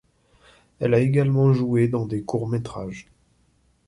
Elle a également joué dans des courts métrages.